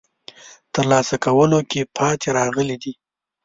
ترلاسه کولو کې پاتې راغلي دي.